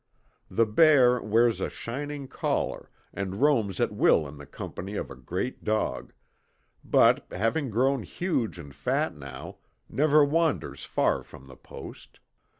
The bear wears a shining collar and roams at will in the company of a great dog, but, having grown huge and fat now, never wanders far from the Post.